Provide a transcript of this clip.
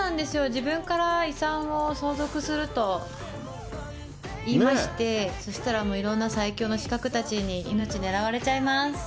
自分から遺産を相続すると言いまして、そうしたらいろんな最強の刺客たちに命狙われちゃいます。